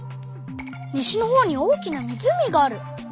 西のほうに大きな湖がある！